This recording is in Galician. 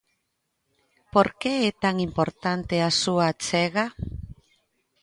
Por que é tan importante a súa achega?